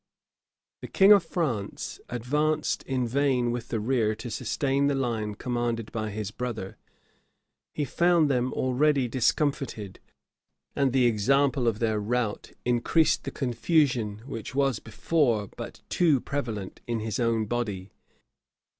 The king of France advanced in vain with the rear to sustain the line commanded by his brother: he found them already discomfited; and the example of their rout increased the confusion which was before but too prevalent in his own body.